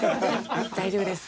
大丈夫です。